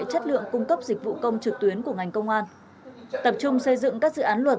chất lượng cung cấp dịch vụ công trực tuyến của ngành công an tập trung xây dựng các dự án luật